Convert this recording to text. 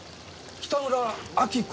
北村明子？